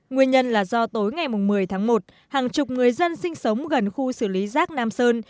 nguyên nhân là do tối ngày một mươi tháng một hàng chục người dân sinh sống gần khu xử lý rác nam sơn